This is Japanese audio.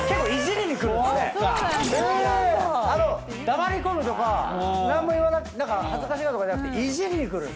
黙り込むとか何も言わな恥ずかしがるとかじゃなくてイジりにくる。